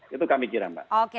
itu kami kira mbak